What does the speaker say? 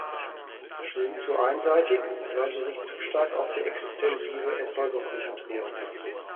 Sie sind zu einseitig, weil sie sich zu stark auf die extensive Erzeugung konzentrieren.